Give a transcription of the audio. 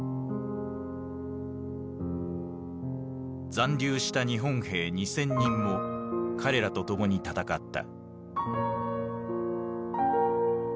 残留した日本兵２，０００人も彼らと共に戦った。